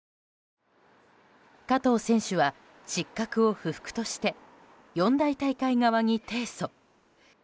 加藤選手は失格を不服として四大大会側に提訴。